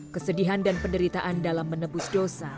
kesedihan dan penderitaan dalam menebus dosa